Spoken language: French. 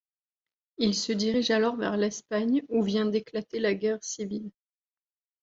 Il se dirige alors vers l'Espagne où vient d'éclater la guerre civile.